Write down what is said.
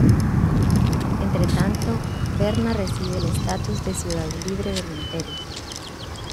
Entre tanto, Berna recibe el estatus de ciudad libre del Imperio.